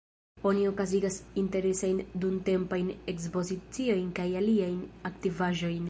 Oni okazigas interesajn dumtempajn ekspoziciojn kaj aliajn aktivaĵojn.